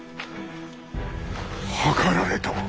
謀られた！